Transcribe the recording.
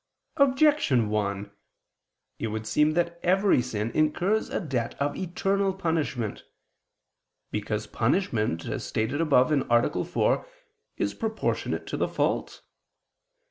Objection 1: It would seem that every sin incurs a debt of eternal punishment. Because punishment, as stated above (A. 4), is proportionate to the fault.